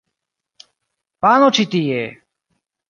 Pano ĉi tie!